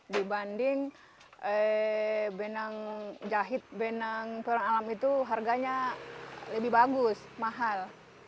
dibanding benang jahit benang perang alam itu harganya lebih bagus mahal